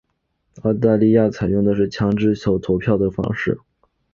澳大利亚采用的是强制投票的方式。